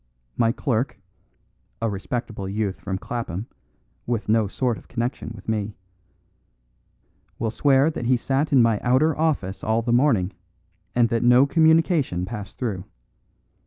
My clerk (a respectable youth from Clapham, with no sort of connection with me) will swear that he sat in my outer office all the morning, and that no communication passed through.